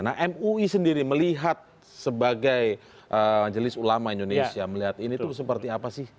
nah mui sendiri melihat sebagai majelis ulama indonesia melihat ini tuh seperti apa sih